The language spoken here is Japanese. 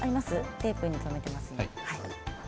テープで留めてあります。